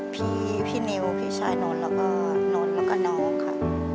พี่นิวพี่ชายนนท์แล้วก็นนท์แล้วก็น้องค่ะ